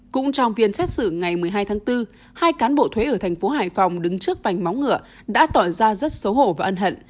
cũng trong phiên xét xử ngày một mươi hai tháng bốn hai cán bộ thuế ở thành phố hải phòng đứng trước vành máu ngựa đã tỏ ra rất xấu hổ và ân hận